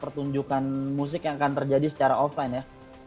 pertunjukan musik yang akan terjadi secara offline ya